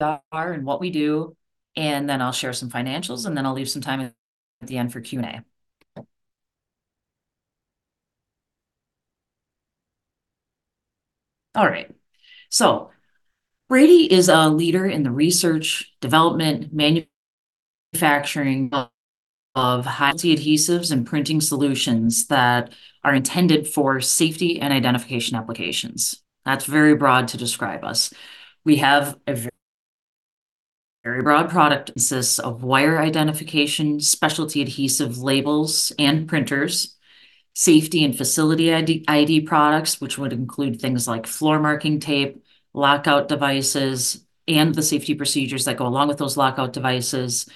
What we do, and then I'll share some financials, and then I'll leave some time at the end for Q&A. All right. Brady is a leader in the research, development, manufacturing of high adhesives and printing solutions that are intended for safety and identification applications. That's very broad to describe us. We have a very broad product consists of wire identification, specialty adhesive labels and printers, safety and facility ID products, which would include things like floor marking tape, lockout devices, and the safety procedures that go along with those lockout devices,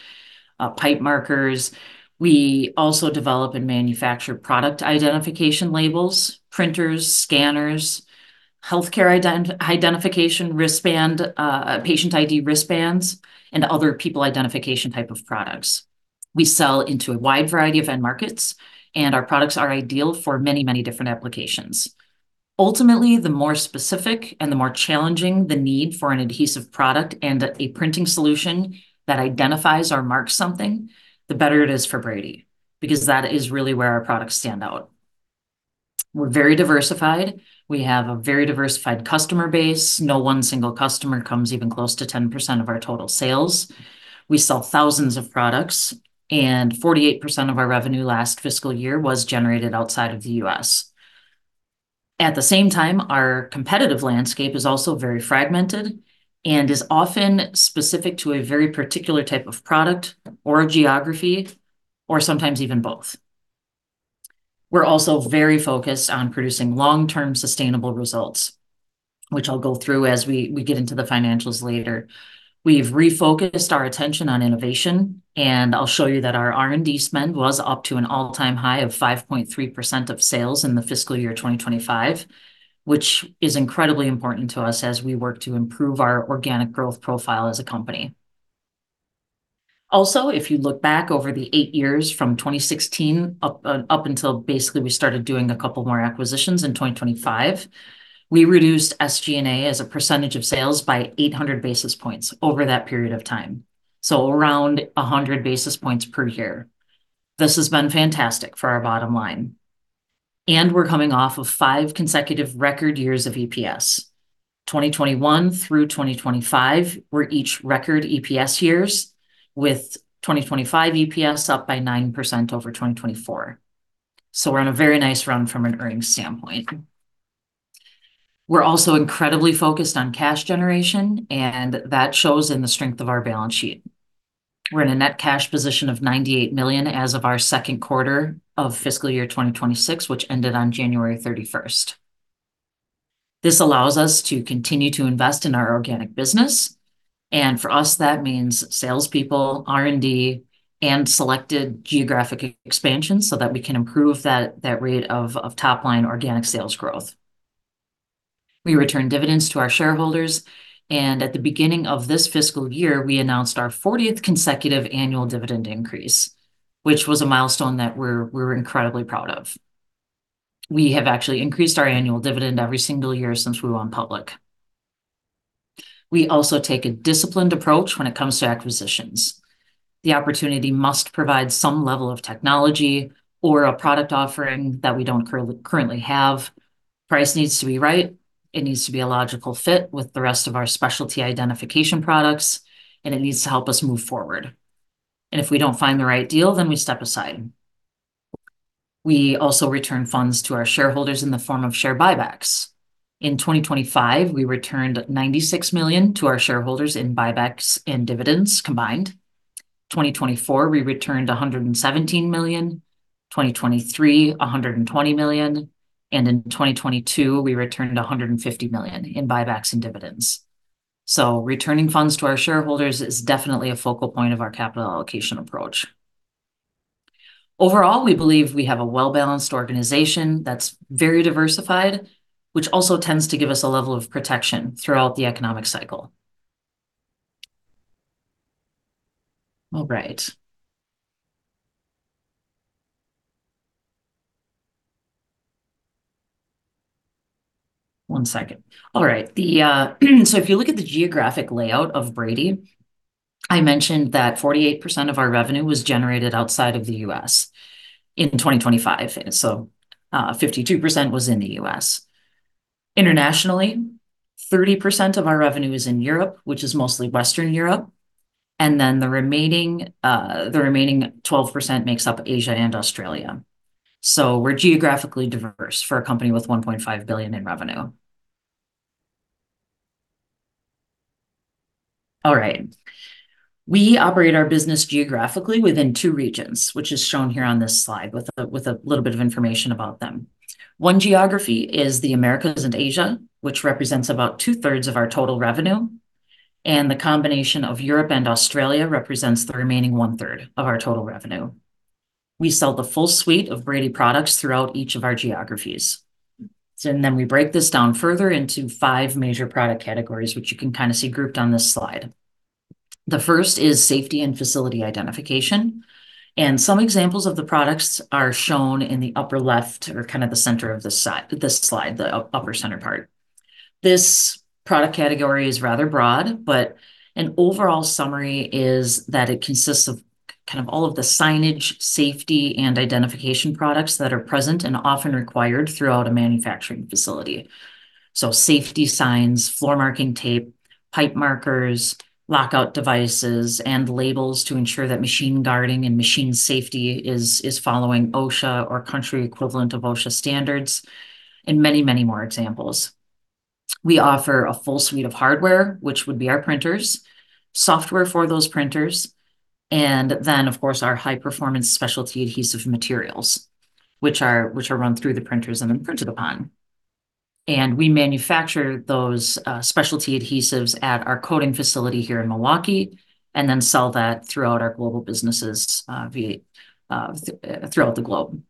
pipe markers. We also develop and manufacture product identification labels, printers, scanners, healthcare identification wristband, patient ID wristbands, and other people identification type of products. We sell into a wide variety of end markets, and our products are ideal for many, many different applications. Ultimately, the more specific and the more challenging the need for an adhesive product and a printing solution that identifies or marks something, the better it is for Brady because that is really where our products stand out. We're very diversified. We have a very diversified customer base. No one single customer comes even close to 10% of our total sales. We sell thousands of products, and 48% of our revenue last fiscal year was generated outside of the U.S. At the same time, our competitive landscape is also very fragmented and is often specific to a very particular type of product or geography, or sometimes even both. We're also very focused on producing long-term sustainable results, which I'll go through as we get into the financials later. We've refocused our attention on innovation, and I'll show you that our R&D spend was up to an all-time high of 5.3% of sales in the fiscal year 2025, which is incredibly important to us as we work to improve our organic growth profile as a company. Also, if you look back over the eight years from 2016 up until basically we started doing a couple more acquisitions in 2025, we reduced SG&A as a percentage of sales by 800 basis points over that period of time. Around 100 basis points per year. This has been fantastic for our bottom line. We're coming off of five consecutive record years of EPS. 2021 through 2025 were each record EPS years, with 2025 EPS up by 9% over 2024. We're on a very nice run from an earnings standpoint. We're also incredibly focused on cash generation, and that shows in the strength of our balance sheet. We're in a net cash position of $98 million as of our second quarter of fiscal year 2026, which ended on January 31. This allows us to continue to invest in our organic business, and for us, that means salespeople, R&D, and selected geographic expansion so that we can improve that rate of top-line organic sales growth. We return dividends to our shareholders. At the beginning of this fiscal year, we announced our 40th consecutive annual dividend increase, which was a milestone that we're incredibly proud of. We have actually increased our annual dividend every single year since we went public. We also take a disciplined approach when it comes to acquisitions. The opportunity must provide some level of technology or a product offering that we don't currently have. Price needs to be right, it needs to be a logical fit with the rest of our specialty identification products, and it needs to help us move forward. If we don't find the right deal, then we step aside. We also return funds to our shareholders in the form of share buybacks. In 2025, we returned $96 million to our shareholders in buybacks and dividends combined. In 2024, we returned $117 million. In 2023, $120 million. In 2022, we returned $150 million in buybacks and dividends. Returning funds to our shareholders is definitely a focal point of our capital allocation approach. Overall, we believe we have a well-balanced organization that's very diversified, which also tends to give us a level of protection throughout the economic cycle. All right. One second. All right. If you look at the geographic layout of Brady, I mentioned that 48% of our revenue was generated outside of the U.S. in 2025. 52% was in the U.S. Internationally, 30% of our revenue is in Europe, which is mostly Western Europe, and then the remaining 12% makes up Asia and Australia. We're geographically diverse for a company with $1.5 billion in revenue. All right. We operate our business geographically within two regions, which is shown here on this slide with a little bit of information about them. One geography is the Americas and Asia, which represents about 2/3 of our total revenue, and the combination of Europe and Australia represents the remaining 1/3 of our total revenue. We sell the full suite of Brady products throughout each of our geographies. We break this down further into five major product categories, which you can kind of see grouped on this slide. The first is safety and facility identification. Some examples of the products are shown in the upper left or kind of the center of this slide, the upper center part. This product category is rather broad, but an overall summary is that it consists of kind of all of the signage, safety, and identification products that are present and often required throughout a manufacturing facility. Safety signs, floor marking tape, pipe markers, lockout devices, and labels to ensure that machine guarding and machine safety is following OSHA or country equivalent of OSHA standards, and many, many more examples. We offer a full suite of hardware, which would be our printers, software for those printers, and then, of course, our high-performance specialty adhesive materials, which are run through the printers and then printed upon. We manufacture those specialty adhesives at our coating facility here in Milwaukee, and then sell that throughout our global businesses throughout the globe.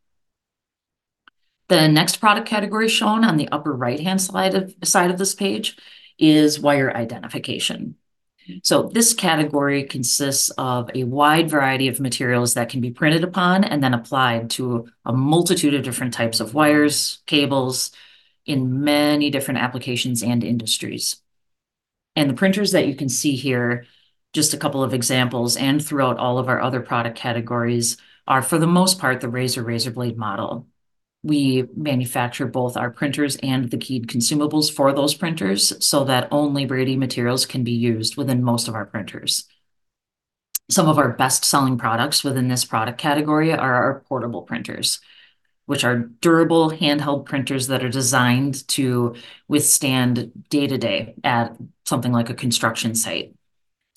The next product category shown on the upper right-hand side of this page is wire identification. This category consists of a wide variety of materials that can be printed upon and then applied to a multitude of different types of wires, cables in many different applications and industries. The printers that you can see here, just a couple of examples, and throughout all of our other product categories, are for the most part the razor blade model. We manufacture both our printers and the keyed consumables for those printers so that only Brady materials can be used within most of our printers. Some of our best-selling products within this product category are our portable printers, which are durable handheld printers that are designed to withstand day-to-day at something like a construction site.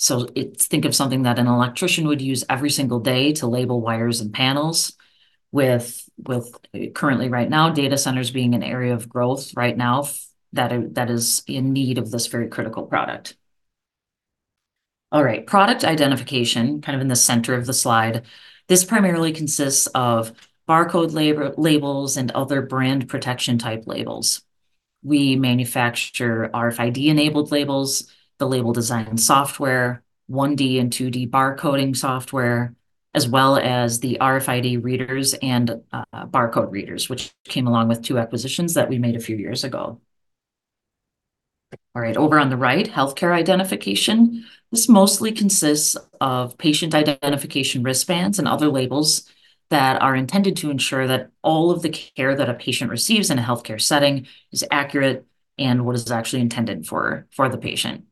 Think of something that an electrician would use every single day to label wires and panels with currently right now data centers being an area of growth right now that is in need of this very critical product. Product identification, kind of in the center of the slide. This primarily consists of barcode labels and other brand protection type labels. We manufacture RFID-enabled labels, the label design software, 1D and 2D barcoding software, as well as the RFID readers and barcode readers, which came along with two acquisitions that we made a few years ago. Over on the right, healthcare identification. This mostly consists of patient identification wristbands and other labels that are intended to ensure that all of the care that a patient receives in a healthcare setting is accurate and what is actually intended for the patient.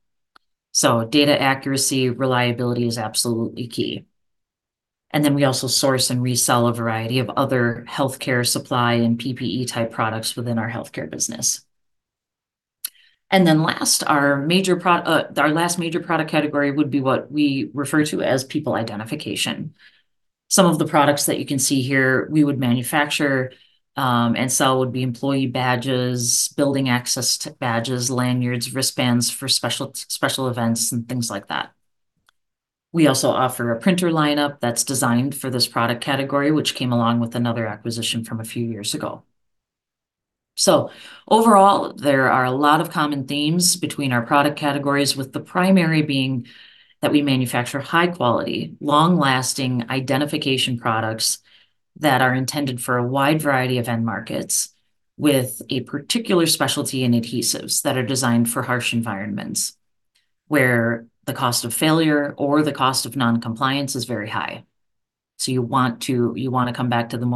Data accuracy, reliability is absolutely key. We also source and resell a variety of other healthcare supply and PPE type products within our healthcare business. Last, our last major product category would be what we refer to as people identification. Some of the products that you can see here we would manufacture, and sell would be employee badges, building access badges, lanyards, wristbands for special events and things like that. We also offer a printer lineup that's designed for this product category, which came along with another acquisition from a few years ago. Overall, there are a lot of common themes between our product categories, with the primary being that we manufacture high quality, long-lasting identification products that are intended for a wide variety of end markets with a particular specialty in adhesives that are designed for harsh environments, where the cost of failure or the cost of non-compliance is very high. You want to, you wanna come back to the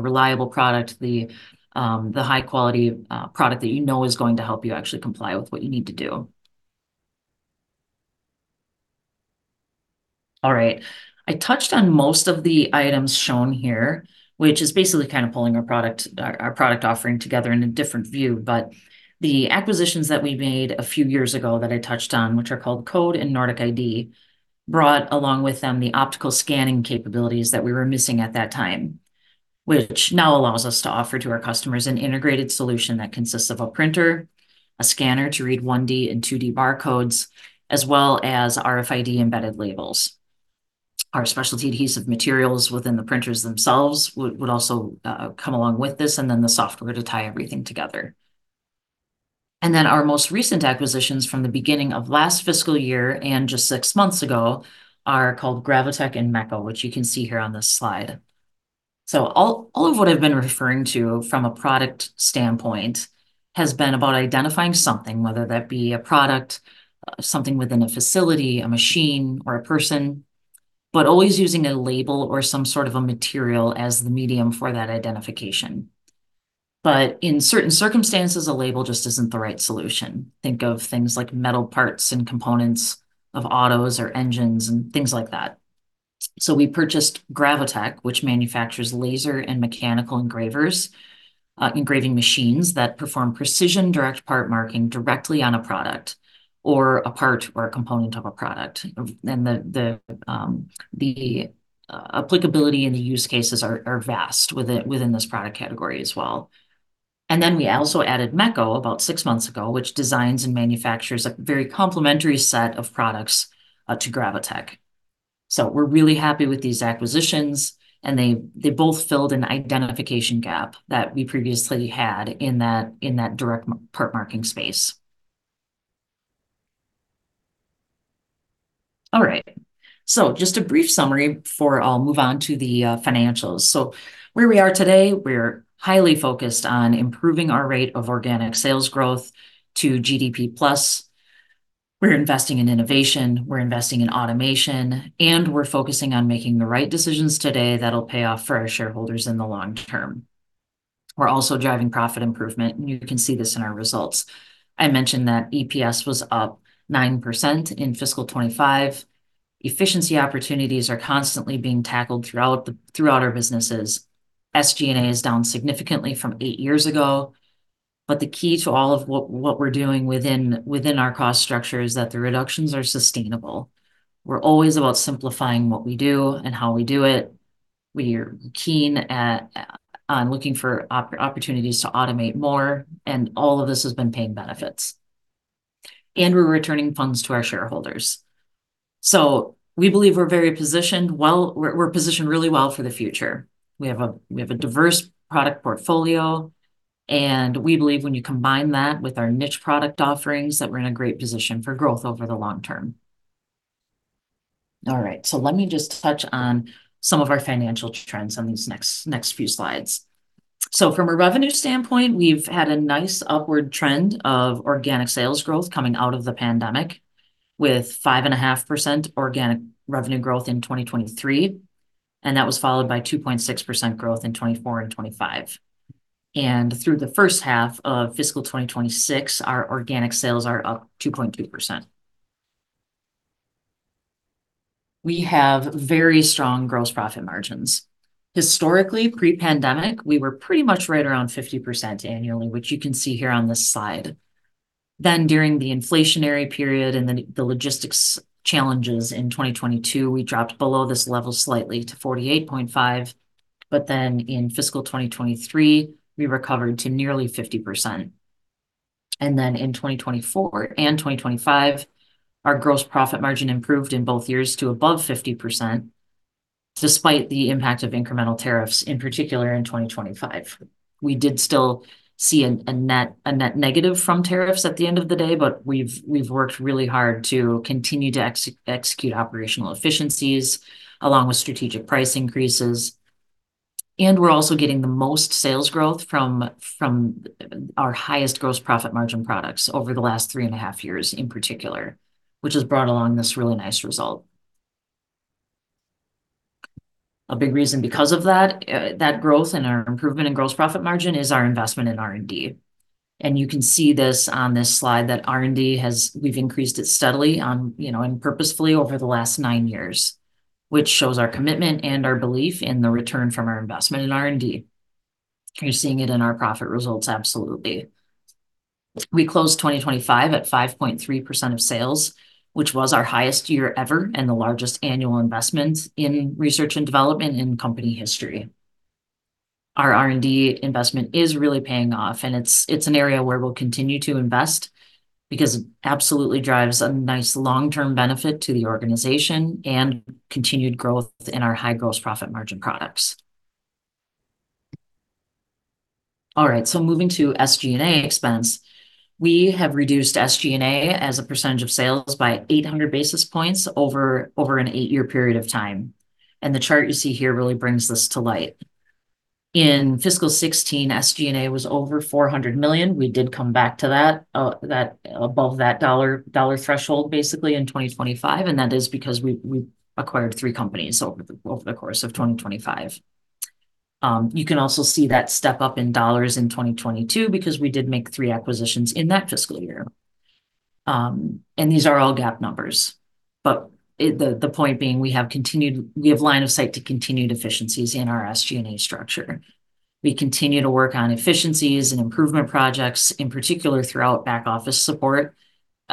reliable product, the high quality product that you know is going to help you actually comply with what you need to do. All right. I touched on most of the items shown here, which is basically kind of pulling our product offering together in a different view. The acquisitions that we made a few years ago that I touched on, which are called Code and Nordic ID, brought along with them the optical scanning capabilities that we were missing at that time, which now allows us to offer to our customers an integrated solution that consists of a printer, a scanner to read 1D and 2D barcodes, as well as RFID-embedded labels. Our specialty adhesive materials within the printers themselves would also come along with this, and then the software to tie everything together. Our most recent acquisitions from the beginning of last fiscal year and just six months ago are called Gravotech and Mecco, which you can see here on this slide. All of what I've been referring to from a product standpoint has been about identifying something, whether that be a product, something within a facility, a machine, or a person, but always using a label or some sort of a material as the medium for that identification. In certain circumstances, a label just isn't the right solution. Think of things like metal parts and components of autos or engines and things like that. We purchased Gravotech, which manufactures laser and mechanical engravers, engraving machines that perform precision direct part marking directly on a product or a part or a component of a product. The applicability and the use cases are vast with it, within this product category as well. Then we also added Mecco about six months ago, which designs and manufactures a very complementary set of products to Gravotech. We're really happy with these acquisitions, and they both filled an identification gap that we previously had in that direct part marking space. All right. Just a brief summary before I'll move on to the financials. Where we are today, we're highly focused on improving our rate of organic sales growth to GDP Plus. We're investing in innovation, we're investing in automation, and we're focusing on making the right decisions today that'll pay off for our shareholders in the long term. We're also driving profit improvement, and you can see this in our results. I mentioned that EPS was up 9% in fiscal 2025. Efficiency opportunities are constantly being tackled throughout our businesses. SG&A is down significantly from eight years ago, but the key to all of what we're doing within our cost structure is that the reductions are sustainable. We're always about simplifying what we do and how we do it. We're keen on looking for opportunities to automate more, and all of this has been paying benefits. We're returning funds to our shareholders. We believe we're positioned really well for the future. We have a diverse product portfolio, and we believe when you combine that with our niche product offerings, that we're in a great position for growth over the long term. All right. Let me just touch on some of our financial trends on these next few slides. From a revenue standpoint, we've had a nice upward trend of organic sales growth coming out of the pandemic with 5.5% organic revenue growth in 2023, and that was followed by 2.6% growth in 2024 and 2025. Through the first half of fiscal 2026, our organic sales are up 2.2%. We have very strong gross profit margins. Historically, pre-pandemic, we were pretty much right around 50% annually, which you can see here on this slide. During the inflationary period and the logistics challenges in 2022, we dropped below this level slightly to 48.5%. In fiscal 2023, we recovered to nearly 50%. In 2024 and 2025, our gross profit margin improved in both years to above 50% despite the impact of incremental tariffs, in particular in 2025. We did still see a net negative from tariffs at the end of the day, but we've worked really hard to continue to execute operational efficiencies along with strategic price increases. We're also getting the most sales growth from our highest gross profit margin products over the last three and a half years in particular, which has brought along this really nice result. A big reason because of that growth and our improvement in gross profit margin is our investment in R&D. You can see this on this slide that we've increased it steadily on, you know, and purposefully over the last nine years, which shows our commitment and our belief in the return from our investment in R&D. You're seeing it in our profit results, absolutely. We closed 2025 at 5.3% of sales, which was our highest year ever and the largest annual investment in research and development in company history. Our R&D investment is really paying off, and it's an area where we'll continue to invest because it absolutely drives a nice long-term benefit to the organization and continued growth in our high gross profit margin products. All right, so moving to SG&A expense. We have reduced SG&A as a percentage of sales by 800 basis points over an eight-year period of time. The chart you see here really brings this to light. In fiscal 2016, SG&A was over $400 million. We did come back to that above that dollar threshold basically in 2025, and that is because we acquired three companies over the course of 2025. You can also see that step-up in dollars in 2022 because we did make three acquisitions in that fiscal year. These are all GAAP numbers. The point being, we have line of sight to continued efficiencies in our SG&A structure. We continue to work on efficiencies and improvement projects, in particular throughout back office support,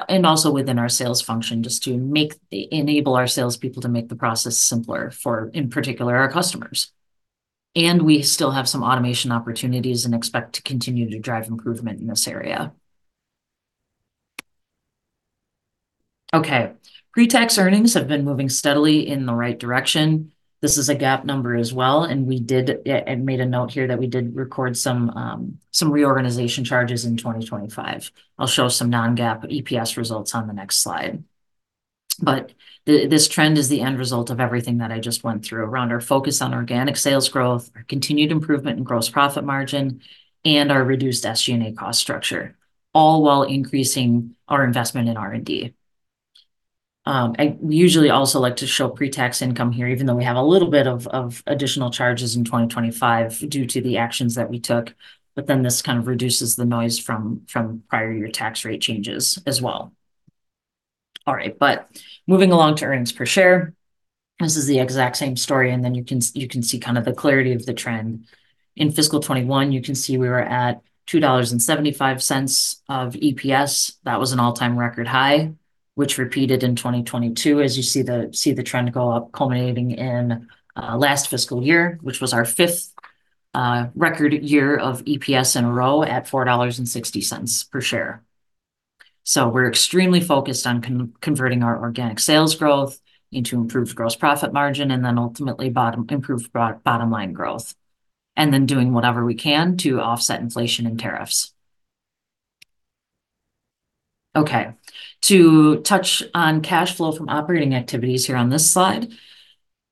and also within our sales function enable our salespeople to make the process simpler for, in particular, our customers. We still have some automation opportunities and expect to continue to drive improvement in this area. Okay. Pre-tax earnings have been moving steadily in the right direction. This is a GAAP number as well, and we made a note here that we did record some reorganization charges in 2025. I'll show some non-GAAP EPS results on the next slide. This trend is the end result of everything that I just went through around our focus on organic sales growth, our continued improvement in gross profit margin, and our reduced SG&A cost structure, all while increasing our investment in R&D. We usually also like to show pre-tax income here, even though we have a little bit of additional charges in 2025 due to the actions that we took, but then this kind of reduces the noise from prior year tax rate changes as well. All right. Moving along to earnings per share. This is the exact same story, and then you can see kind of the clarity of the trend. In fiscal 2021, you can see we were at $2.75 of EPS. That was an all-time record high, which repeated in 2022 as you see the trend go up, culminating in last fiscal year, which was our fifth record year of EPS in a row at $4.60 per share. We're extremely focused on converting our organic sales growth into improved gross profit margin, and then ultimately improved bottom line growth, and then doing whatever we can to offset inflation and tariffs. Okay. To touch on cash flow from operating activities here on this slide,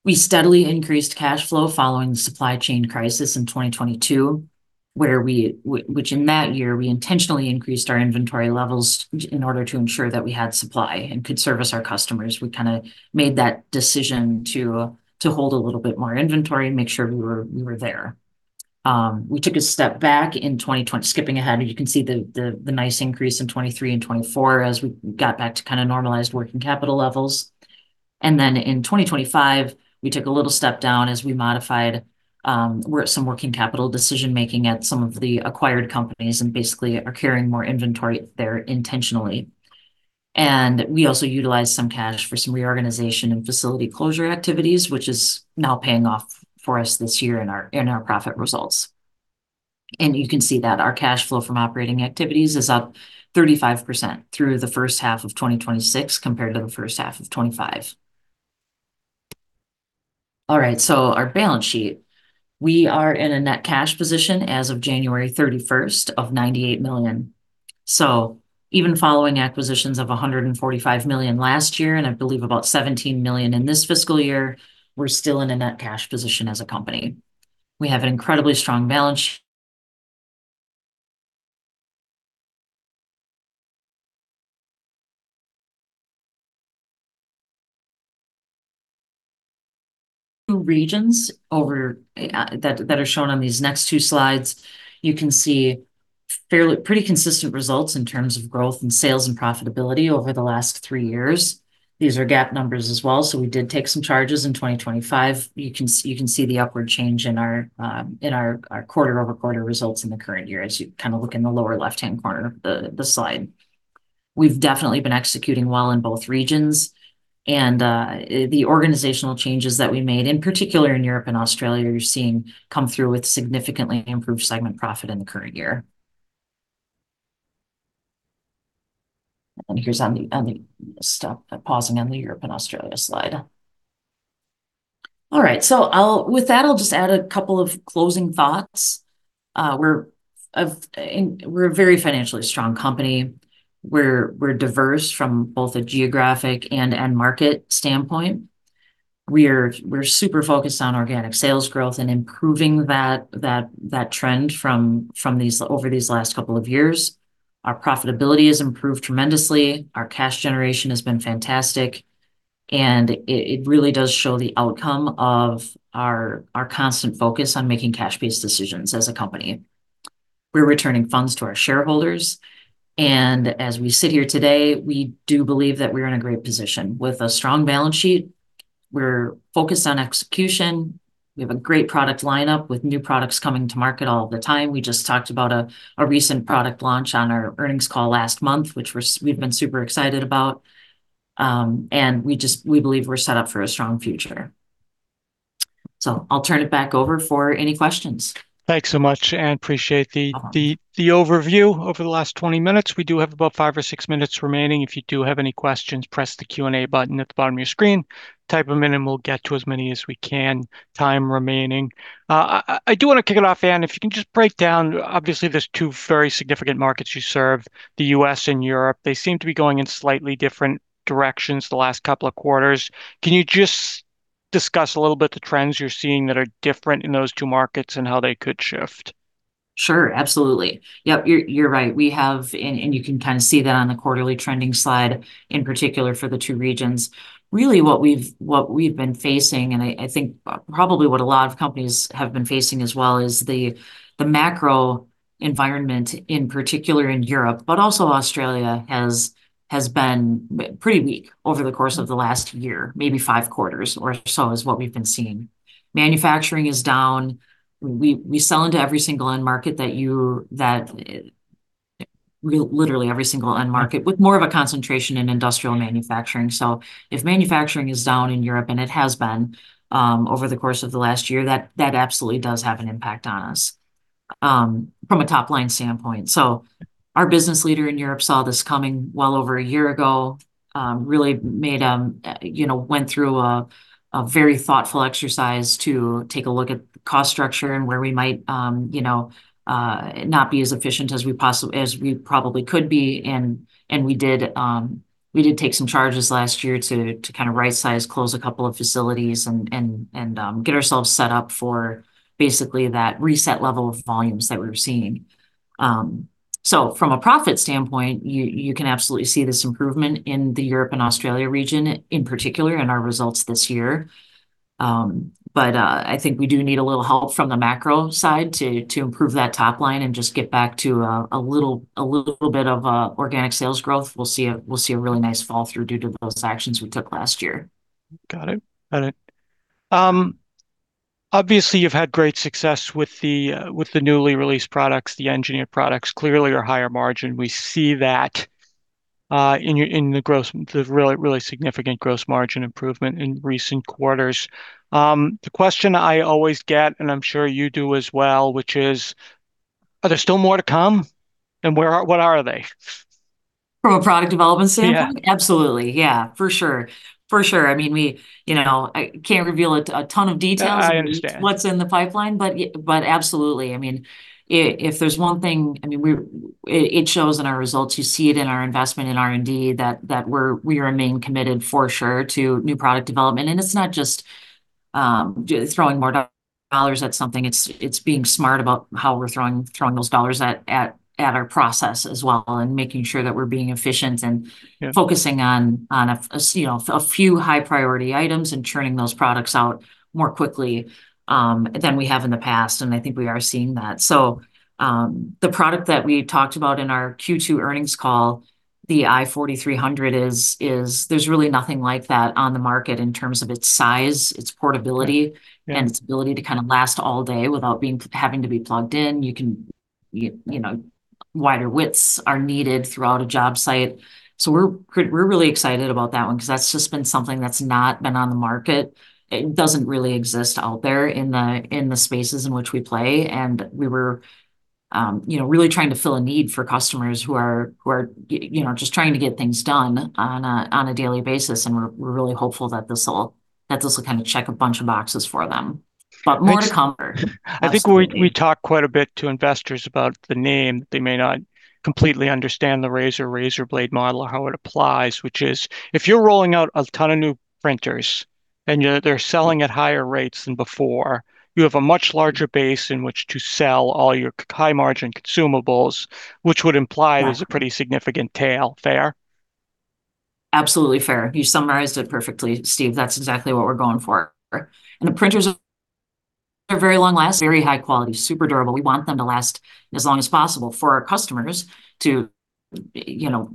we steadily increased cash flow following the supply chain crisis in 2022, where, which in that year we intentionally increased our inventory levels in order to ensure that we had supply and could service our customers. We kinda made that decision to hold a little bit more inventory and make sure we were there. We took a step back in 2020. Skipping ahead, you can see the nice increase in 2023 and 2024 as we got back to kinda normalized working capital levels. In 2025, we took a little step down as we modified our working capital decision-making at some of the acquired companies, and basically are carrying more inventory there intentionally. We also utilized some cash for some reorganization and facility closure activities, which is now paying off for us this year in our profit results. You can see that our cash flow from operating activities is up 35% through the first half of 2026 compared to the first half of 2025. All right, our balance sheet. We are in a net cash position as of January 31st of $98 million. Even following acquisitions of $145 million last year, and I believe about $17 million in this fiscal year, we're still in a net cash position as a company. We have an incredibly strong balance. Two regions overview that are shown on these next two slides. You can see fairly, pretty consistent results in terms of growth in sales and profitability over the last three years. These are GAAP numbers as well, so we did take some charges in 2025. You can see the upward change in our quarter-over-quarter results in the current year as you kinda look in the lower left-hand corner of the slide. We've definitely been executing well in both regions, and the organizational changes that we made, in particular in Europe and Australia, you're seeing come through with significantly improved segment profit in the current year. Stop pausing on the Europe and Australia slide. All right, with that, I'll just add a couple of closing thoughts. We're a very financially strong company. We're diverse from both a geographic and end market standpoint. We're super focused on organic sales growth and improving that trend from these over these last couple of years. Our profitability has improved tremendously, our cash generation has been fantastic, and it really does show the outcome of our constant focus on making cash-based decisions as a company. We're returning funds to our shareholders, and as we sit here today, we do believe that we're in a great position. With a strong balance sheet, we're focused on execution, we have a great product line-up with new products coming to market all the time. We just talked about a recent product launch on our earnings call last month, which we've been super excited about. We just believe we're set up for a strong future. I'll turn it back over for any questions. Thanks so much, Ann. Appreciate the No problem. The overview over the last 20 minutes. We do have about five or six minutes remaining. If you do have any questions, press the Q&A button at the bottom of your screen. Type them in, and we'll get to as many as we can, time remaining. I do wanna kick it off, Ann. If you can just break down, obviously, there's two very significant markets you serve, the U.S. and Europe. They seem to be going in slightly different directions the last couple of quarters. Can you just discuss a little bit the trends you're seeing that are different in those two markets and how they could shift? Sure. Absolutely. Yep, you're right. We have, and you can kinda see that on the quarterly trending slide, in particular for the two regions. Really what we've been facing, and I think probably what a lot of companies have been facing as well, is the macro environment in particular in Europe. Also Australia has been pretty weak over the course of the last year, maybe five quarters or so is what we've been seeing. Manufacturing is down. We sell into every single end market, literally every single end market, with more of a concentration in industrial manufacturing. If manufacturing is down in Europe, and it has been over the course of the last year, that absolutely does have an impact on us from a top line standpoint. Our business leader in Europe saw this coming well over a year ago, really made you know went through a very thoughtful exercise to take a look at cost structure and where we might you know not be as efficient as we probably could be. We did take some charges last year to kinda right-size, close a couple of facilities and get ourselves set up for basically that reset level of volumes that we're seeing. From a profit standpoint, you can absolutely see this improvement in the Europe and Australia region in particular in our results this year. I think we do need a little help from the macro side to improve that top line and just get back to a little bit of organic sales growth. We'll see a really nice flow-through due to those actions we took last year. Got it. Obviously you've had great success with the newly released products. The engineered products clearly are higher margin. We see that in the gross, the really significant gross margin improvement in recent quarters. The question I always get, and I'm sure you do as well, which is, Are there still more to come? What are they? From a product development standpoint? Yeah. Absolutely, yeah. For sure. I mean, we, you know, I can't reveal a ton of details. I understand. What's in the pipeline, but absolutely. I mean, if there's one thing I mean, it shows in our results. You see it in our investment in R&D that we remain committed for sure to new product development. It's not just throwing more dollars at something, it's being smart about how we're throwing those dollars at our process as well, and making sure that we're being efficient and. Yeah Focusing on, you know, a few high priority items and churning those products out more quickly than we have in the past, and I think we are seeing that. The product that we had talked about in our Q2 earnings call, the i4300 is. There's really nothing like that on the market in terms of its size, its portability. Yeah Its ability to kind of last all day without being, having to be plugged in. You can, you know, wider widths are needed throughout a job site. We're really excited about that one, 'cause that's just been something that's not been on the market. It doesn't really exist out there in the spaces in which we play. We were, you know, really trying to fill a need for customers who are, you know, just trying to get things done on a daily basis. We're really hopeful that this'll kind of check a bunch of boxes for them. More to come. Thanks. Absolutely. I think we talked quite a bit to investors about the name. They may not completely understand the razor blade model or how it applies, which is if you're rolling out a ton of new printers and they're selling at higher rates than before, you have a much larger base in which to sell all your high margin consumables, which would imply. Exactly There's a pretty significant tail. Fair? Absolutely fair. You summarized it perfectly, Steve. That's exactly what we're going for. The printers are very long-lasting, very high quality, super durable. We want them to last as long as possible for our customers to, you know,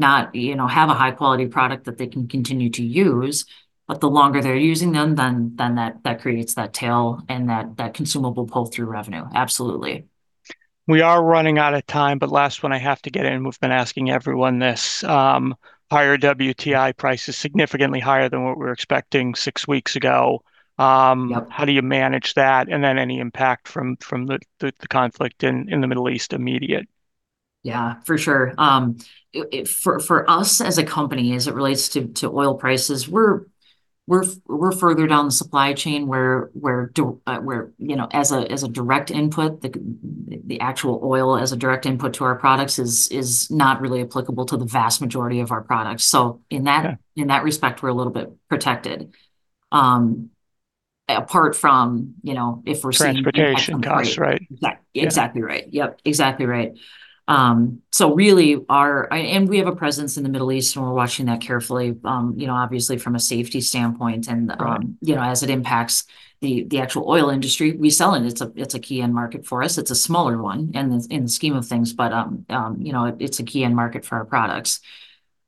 have a high quality product that they can continue to use. The longer they're using them, then that creates that tail and that consumable pull through revenue. Absolutely. We are running out of time, but last one I have to get in. We've been asking everyone this. Higher WTI prices, significantly higher than what we were expecting six weeks ago. Yeah How do you manage that? Any impact from the conflict in the Middle East immediately? Yeah. For sure. For us as a company as it relates to oil prices, we're further down the supply chain where you know, as a direct input, the actual oil as a direct input to our products is not really applicable to the vast majority of our products. So in that. Yeah In that respect, we're a little bit protected. Apart from, you know, if we're seeing Transportation costs, right? Exactly right. Yeah. Yep, exactly right. We have a presence in the Middle East, and we're watching that carefully, you know, obviously from a safety standpoint. Right You know, as it impacts the actual oil industry. We sell in it. It's a key end market for us. It's a smaller one in the scheme of things, but you know, it's a key end market for our products.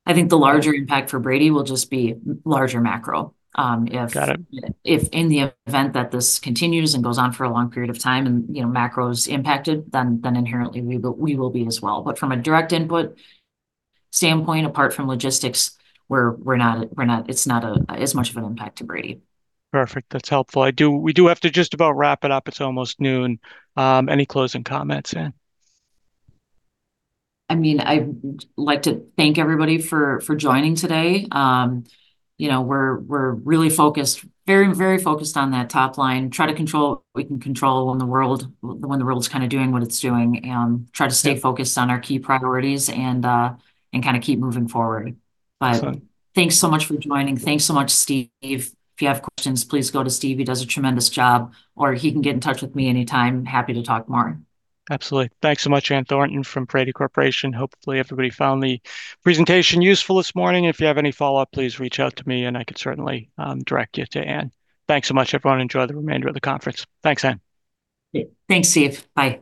I think the larger impact for Brady will just be larger macro, if. Got it. If in the event that this continues and goes on for a long period of time and, you know, macro is impacted, then inherently we will be as well. But from a direct input standpoint, apart from logistics, we're not. It's not as much of an impact to Brady. Perfect. That's helpful. We do have to just about wrap it up. It's almost noon. Any closing comments, Ann? I mean, I'd like to thank everybody for joining today. You know, we're really focused, very focused on that top line. Try to control what we can control when the world's kind of doing what it's doing. Yeah Try to stay focused on our key priorities and kind of keep moving forward. That's it. Thanks so much for joining. Thanks so much, Steve. If you have questions, please go to Steve. He does a tremendous job, or he can get in touch with me anytime. Happy to talk more. Absolutely. Thanks so much, Ann Thornton from Brady Corporation. Hopefully everybody found the presentation useful this morning. If you have any follow-up, please reach out to me and I can certainly direct you to Ann. Thanks so much, everyone. Enjoy the remainder of the conference. Thanks, Ann. Yeah. Thanks, Steve. Bye